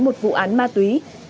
một vụ án ma túy